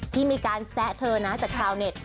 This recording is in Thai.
ที่มีการแซะเธอนะจากชาวเน็ต